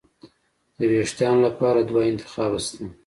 د وېښتانو لپاره دوه انتخابه شته.